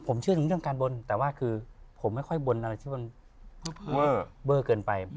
ผมเชื่อถึงเรื่องการบนแต่ว่าคือผมไม่ค่อยบนอะไรที่มันเวอร์เกินไป